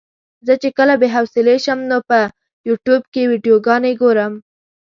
زه چې کله بې حوصلې شم نو په يوټيوب کې ويډيوګانې ګورم.